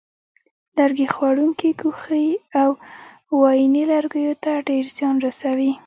لرګي خوړونکې کوخۍ او وایینې لرګیو ته ډېر زیان رسوي.